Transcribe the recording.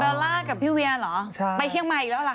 ล่ากับพี่เวียเหรอไปเชียงใหม่อีกแล้วเหรอค